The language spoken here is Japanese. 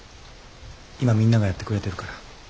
今みんながやってくれてるから。